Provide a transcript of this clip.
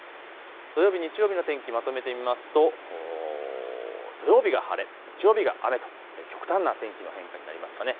土曜日、日曜日の天気まとめてみますと土曜日が晴れ、日曜日が雨と極端な天気の変化になりますかね。